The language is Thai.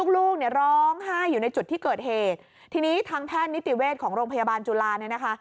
ลูกเนี่ยร้องไห้อยู่ในจุดที่เกิดเหตุทีนี้ทางแพทย์นิติเวชของโรงพยาบาลจุฬาเนี่ยนะคะ